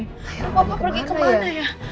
akhirnya papa pergi ke mana ya